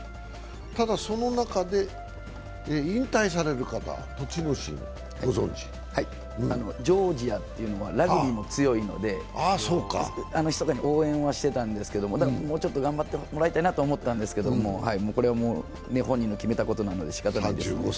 ただ、その中で、引退される方、栃ノ心、ご存じ？ジョージアというのはラグビーも強いのでひそかに応援はしてたんですけど、もうちょっと頑張ってもらいたいなと思ったんですけど、これは本人の決めたことなのでしかたがないです。